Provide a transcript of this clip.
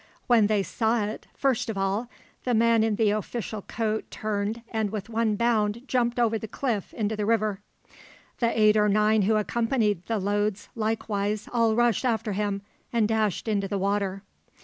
When they saw it, first of all, the man in the official coat turned and with one bound jumped over the cliff into the river. The eight or nine who accompanied the loads likewise all rushed after him and dashed into the water.